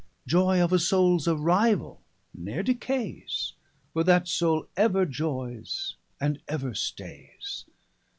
Joy of a soules arrivall ne'r decaies; For that soule ever joyes and ever staies.